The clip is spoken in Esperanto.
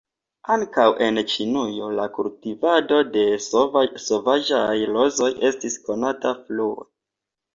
Ankaŭ en Ĉinio la kultivado de sovaĝaj rozoj estis konata frue.